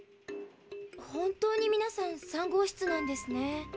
本当にみなさん３号室なんですね。